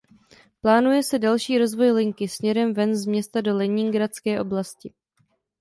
Plánuje se další rozvoj linky směrem ven z města do leningradské oblasti.